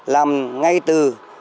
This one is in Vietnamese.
làm ngay từ